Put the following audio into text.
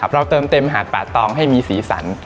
เราเติมเต็มหาดป่าตองให้มีสีสัน